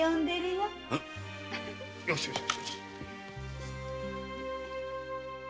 よしよし！